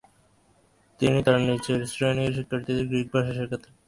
তিনি তার নিচের শ্রেনীর শিক্ষার্থীদেরকে গ্রীক ভাষা শেখাতেন।